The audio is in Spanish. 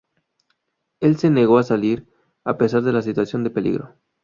Él se negó a salir, a pesar de la situación de peligro.